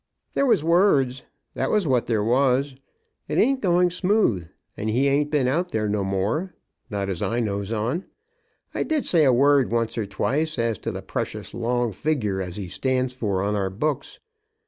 "There was words; that's what there was. It ain't going smooth, and he ain't been out there no more, not as I knows on. I did say a word once or twice as to the precious long figure as he stands for on our books.